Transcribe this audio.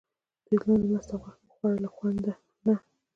دوی د لاندي مسته غوښه وخوړه له خوند نه.